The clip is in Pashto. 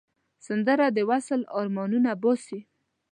سندره د وصل آرمانونه باسي